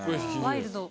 ワイルド。